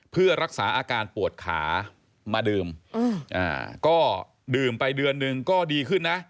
เพื่อรักษาอาการปวดขามาดื่มก็ดื่มไปเดือนหนึ่งก็ดีขึ้นนะ